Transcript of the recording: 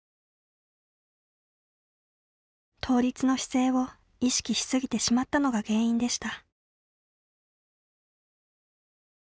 倒立の姿勢を意識し過ぎてしまったのが原因でした。